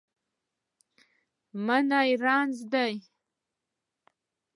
منی رنځور دی